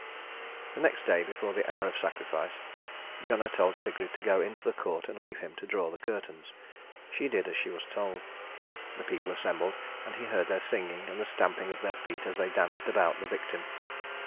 The next day, before the hour of sacrifice, Gunnar told Sigrid to go into the court and leave him to draw the curtains. She did as she was told. The people assembled, and he heard their singing, and the stamping of their feet as they danced about the victim.